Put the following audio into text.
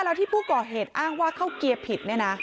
แล้วที่ผู้ก่อเหตุอ้างว่าเข้าเกียร์ผิดเนี่ยนะ